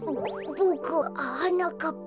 ボボクははなかっぱ。